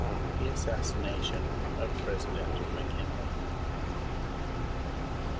THE ASSASSINATION OF PRESIDENT McKINLEY.